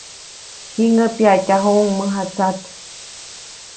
Jiŋäʼ pyaʼtyajuʼuŋ mäjatsat.